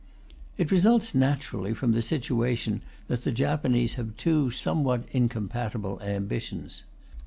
It results naturally from the situation that the Japanese have two somewhat incompatible ambitions.